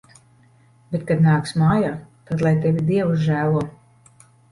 Bet kad nāks mājā, tad lai tevi Dievs žēlo.